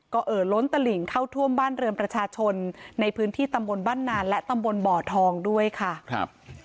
ก็เอ่อล้นตลิ่งเข้าท่วมบ้านเรือนประชาชนในพื้นที่ตำบลบ้านนานและตำบลบ่อทองด้วยค่ะครับ